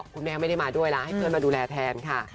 คุณแม่ไม่ได้มาด้วยแล้วให้เพื่อนมาดูแลแทนค่ะ